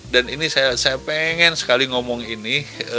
dan ini saya pengen sekali ngomong ini